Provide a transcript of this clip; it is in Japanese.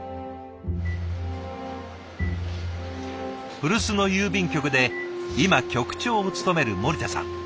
古巣の郵便局で今局長を務める森田さん。